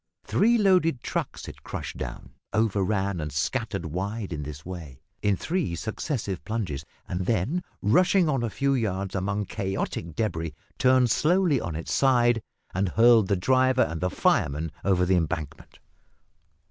Three loaded trucks it crushed down, over ran, and scattered wide in this way, in three successive plunges, and then, rushing on a few yards among chaotic debris, turned slowly on its side, and hurled the driver and fireman over the embankment.